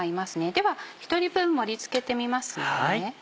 では１人分盛り付けてみますね。